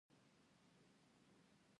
میندې د ماشومانو روحي روغتیا ته پام کوي۔